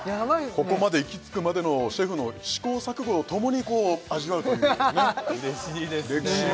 ここまで行き着くまでのシェフの試行錯誤を共にこう味わうというかね嬉しいですね